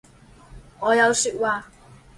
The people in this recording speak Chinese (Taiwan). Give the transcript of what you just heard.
我有說話